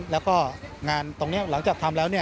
แล้วก็งานตรงนี้หลังจากทำแล้ว